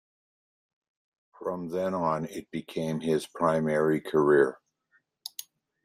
From then on, it became his primary career.